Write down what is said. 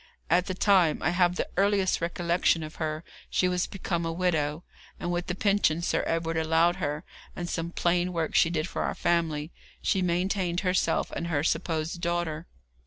At the time I have the earliest recollection of her she was become a widow, and with the pension Sir Edward allowed her, and some plain work she did for our family, she maintained herself and her supposed daughter.